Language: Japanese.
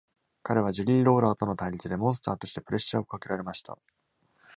彼はジェリー・ローラーとの対立で「モンスター」としてプレッシャーを掛けられました。